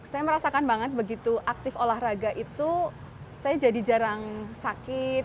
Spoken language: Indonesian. saya merasakan banget begitu aktif olahraga itu saya jadi jarang sakit